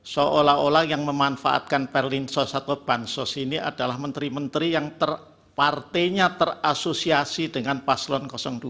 seolah olah yang memanfaatkan perlinsos atau bansos ini adalah menteri menteri yang partainya terasosiasi dengan paslon dua